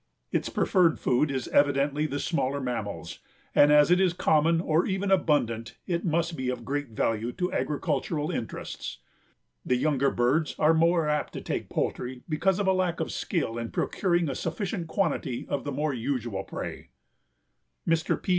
Its preferred food is evidently the smaller mammals, and as it is common or even abundant it must be of great value to agricultural interests. The younger birds are more apt to take poultry because of "a lack of skill in procuring a sufficient quantity of the more usual prey." Mr. P.